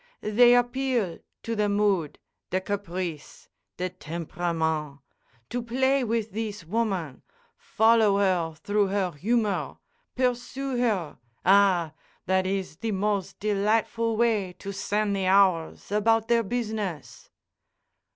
"They appeal to the mood, the caprice, the temperamen'. To play with thees woman, follow her through her humor, pursue her—ah! that is the mos' delightful way to sen' the hours about their business."